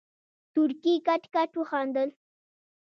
تورکي کټ کټ وخندل.